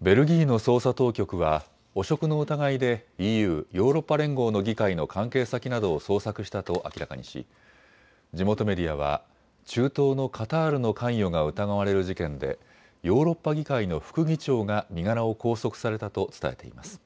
ベルギーの捜査当局は汚職の疑いでＥＵ・ヨーロッパ連合の議会の関係先などを捜索したと明らかにし、地元メディアは中東のカタールの関与が疑われる事件でヨーロッパ議会の副議長が身柄を拘束されたと伝えています。